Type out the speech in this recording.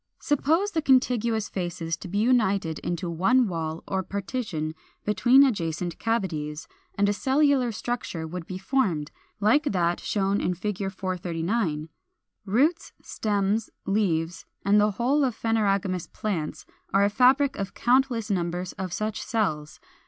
Suppose the contiguous faces to be united into one wall or partition between adjacent cavities, and a cellular structure would be formed, like that shown in Fig. 439. Roots, stems, leaves, and the whole of phanerogamous plants are a fabric of countless numbers of such cells.